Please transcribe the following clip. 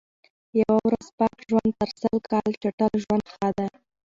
یوه ورځ پاک ژوند تر سل کال چټل ژوند ښه دئ.